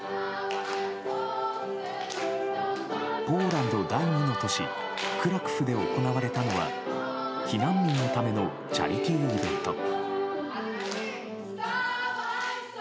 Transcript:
ポーランドの第２の都市クラクフで行われたのは避難民のためのチャリティーイベント。